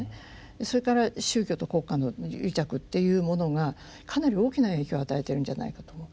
それから宗教と国家の癒着っていうものがかなり大きな影響を与えているんじゃないかと思う。